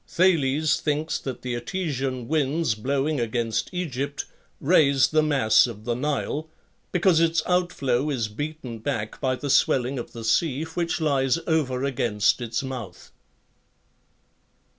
Thales thinks that the Etesian winds blowing against Egypt raise the mass of the Nile, because its outflow is beaten back by the swelling of the sea which lies over against its mouth.